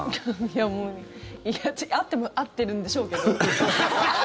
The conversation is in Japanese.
いやもう合ってるんでしょうけど。